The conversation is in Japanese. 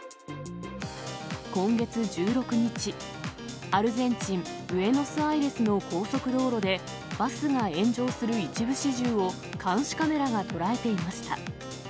今月１６日、アルゼンチン・ブエノスアイレスの高速道路で、バスが炎上する一部始終を監視カメラが捉えていました。